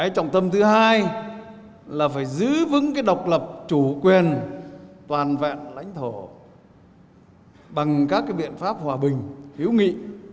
trọng tâm thứ hai là phải giữ vững độc lập chủ quyền toàn vẹn lãnh thổ bằng các biện pháp hòa bình hữu nghị